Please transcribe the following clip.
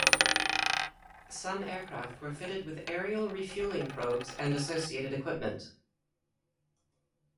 Some aircraft were fitted with aerial refuelling probes and associated equipment.